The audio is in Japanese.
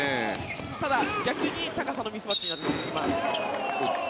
ただ、逆に高さのミスマッチになっていますね。